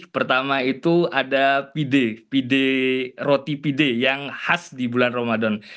pertama itu ada pide pide roti pide yang khas di bulan ramadan